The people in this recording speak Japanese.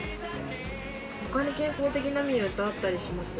他に健康的なメニューってあったりします？